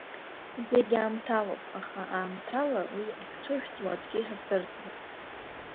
Зегь аамҭалоуп, аха аамҭала, уи ахьҽыжәҵуа аӡәгьы иҳаздырӡом.